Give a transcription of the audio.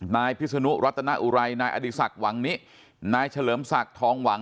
นายพิศนุรัตนอุไรนายอดีศักดิ์หวังนินายเฉลิมศักดิ์ทองหวัง